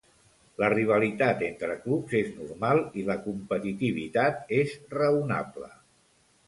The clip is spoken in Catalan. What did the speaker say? La rivalitat entre clubs és normal i la competitivitat és raonable.